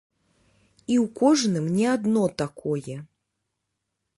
І ў кожным не адно такое.